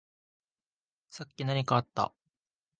さっき何かあった？